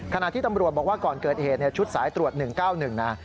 ขณะที่ตำรวจบอกว่าก่อนเกิดเหตุชุดสายตรวจ๑๙๑นะ